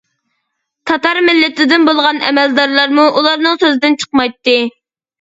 تاتار مىللىتىدىن بولغان ئەمەلدارلارمۇ ئۇلارنىڭ سۆزىدىن چىقمايتتى.